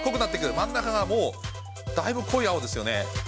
真ん中がもうだいぶ濃い青ですよね。